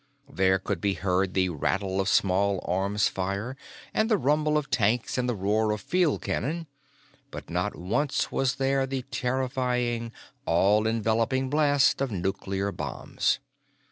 There could be heard the rattle of small arms fire and the rumble of tanks and the roar of field cannon, but not once was there the terrifying, all enveloping blast of nuclear bombs.